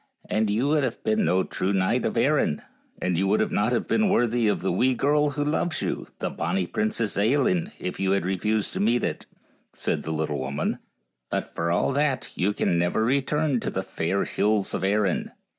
" And 3 T ou would have been no true knight of Erin, and you would not have been worthy of the wee girl who loves you, the bonny Princess Ailinn, if you had refused to meet it," said the little woman ;" but for all that you can never return to the fair hills of Erin.